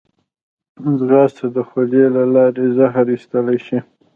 ځغاسته د خولې له لارې زهر ایستلی شي